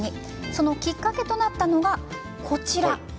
そのきっかけとなったのがこちら。